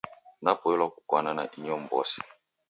Napoilwa kukwana na inyo mw'ose